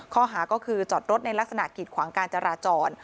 ข้อหาก็คือจอดรถในลักษณะกิดขวางการจราจร